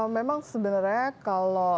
memang sebenarnya kalau